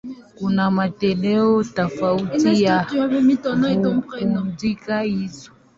Kuna matoleo tofauti ya bunduki hizo.